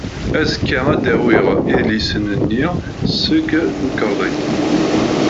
Azekka ad d-awiɣ idlisen-nni seg temkerḍit.